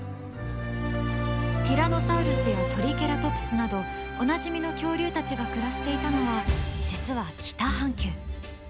ティラノサウルスやトリケラトプスなどおなじみの恐竜たちが暮らしていたのは実は北半球。